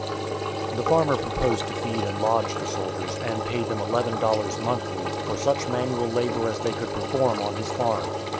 The farmer proposed to feed and lodge the soldiers, and pay them eleven dollars monthly, for such manual labor as they could perform on his farm.